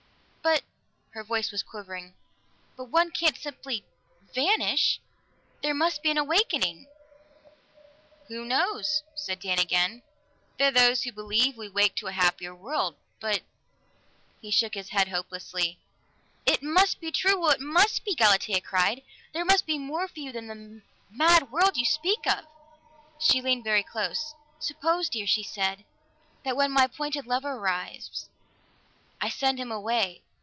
"But " Her voice was quivering. "But one can't simply vanish! There must be an awakening." "Who knows?" said Dan again. "There are those who believe we wake to a happier world, but " He shook his head hopelessly. "It must be true! Oh, it must be!" Galatea cried. "There must be more for you than the mad world you speak of!" She leaned very close. "Suppose, dear," she said, "that when my appointed lover arrives, I send him away.